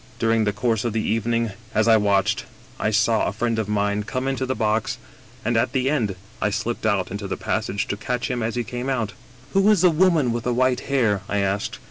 *' During the course of the evening, as I watched, I saw a friend of mine come into the box, and at the end I slipped out into the passage to catch him as he came out. "'Who is the woman with the white hair?* I asked.